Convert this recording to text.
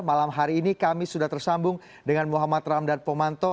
malam hari ini kami sudah tersambung dengan muhammad ramdan pomanto